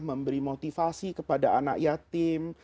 memberi motivasi kepada anak yatim